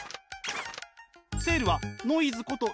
セールはノイズこと